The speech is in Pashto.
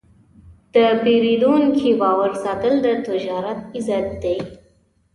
د پیرودونکي باور ساتل د تجارت عزت دی.